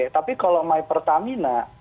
tapi kalau my pertamina